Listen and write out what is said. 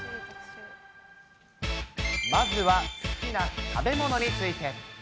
まずは好きな食べ物について。